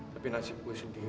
tapi nasib saya sendiri